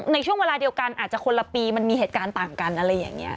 ในช่วงเวลาเดียวกันอาจจะคนละปีมันมีเหตุการณ์ต่างกันอะไรอย่างนี้